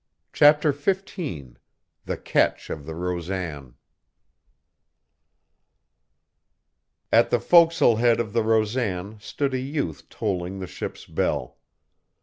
CHAPTER XV THE CATCH OF THE ROSAN At the forecastle head of the Rosan stood a youth tolling the ship's bell.